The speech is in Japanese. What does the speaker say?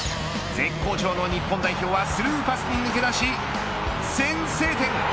絶好調の日本代表はスルーパスに抜け出し先制点。